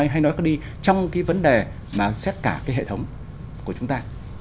hay nói có đi trong cái vấn đề mà xét cả cái hệ thống của chúng ta